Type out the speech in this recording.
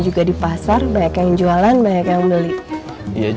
udah gak usah ngomongin dia